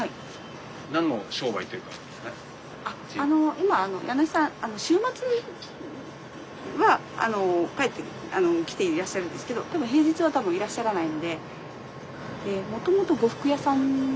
今家主さん週末は帰ってきていらっしゃるんですけど平日は多分いらっしゃらないので呉服屋さん。